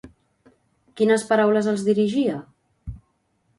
Quines paraules els dirigia?